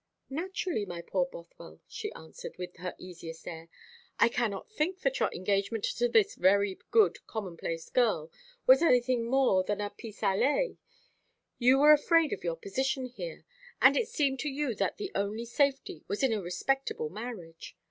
"Naturally, my poor Bothwell," she answered, with her easiest air. "I cannot think that your engagement to this very good commonplace girl was anything more than a pis aller. You were afraid of your position here, and it seemed to you that the only safety was in a respectable marriage.